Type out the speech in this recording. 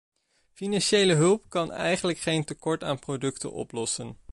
Financiële hulp kan eigenlijk geen tekort aan producten oplossen.